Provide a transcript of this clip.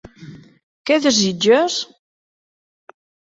Què desitges?